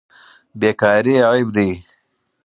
بیکاري عیب دی.